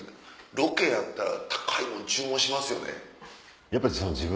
ロケやったら高いもん注文しますよね。